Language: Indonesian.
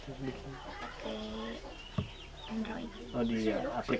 suka logo juga pembinaan pamplet